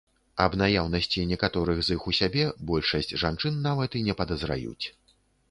Аб наяўнасці некаторых з іх у сябе большасць жанчын нават і не падазраюць.